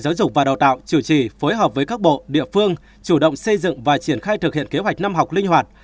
giáo dục và đào tạo chủ trì phối hợp với các bộ địa phương chủ động xây dựng và triển khai thực hiện kế hoạch năm học linh hoạt